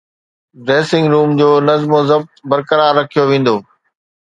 dressing room جو نظم و ضبط برقرار رکيو ويندو